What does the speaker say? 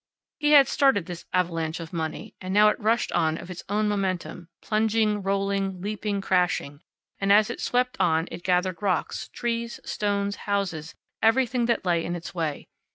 He had started this avalanche of money, and now it rushed on of its own momentum, plunging, rolling, leaping, crashing, and as it swept on it gathered rocks, trees, stones, houses, everything that lay in its way.